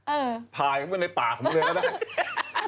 เออพายก็เป็นในปากผมเลยก็ได้